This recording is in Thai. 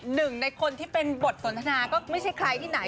หนึ่งในคนที่เป็นบทสนทนาก็ไม่ใช่ใครที่ไหน